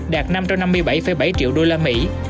đạt năm trăm bảy mươi triệu usd